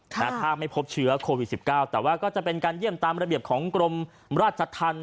ถ้าไม่พบเชื้อโควิด๑๙แต่ว่าก็จะเป็นการเยี่ยมตามระเบียบของกรมราชธรรม